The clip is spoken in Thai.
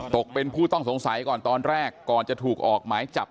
ตกเป็นผู้ต้องสงสัยก่อนตอนแรกก่อนจะถูกออกหมายจับ